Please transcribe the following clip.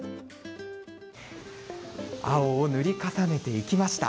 青を塗り重ねていきました。